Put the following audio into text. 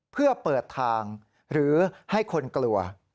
เพื่อเปิดทางหรือให้คนกลัว